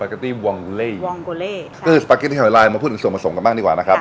ก็คือสปาเกตตี้หอยลายมาพูดถึงส่วนผสมกันบ้างดีกว่านะครับ